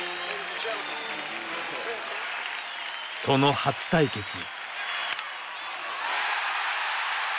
その初対決。